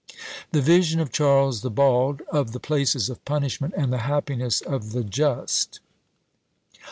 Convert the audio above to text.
"The Vision of Charles the Bald, of the places of punishment, and the happiness of the Just.